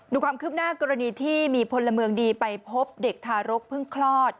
ดูความคืบหน้ากรณีที่มีพลเมืองดีไปพบเด็กทารกเพิ่งคลอด